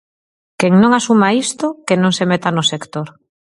Quen non asuma isto, que non se meta no sector.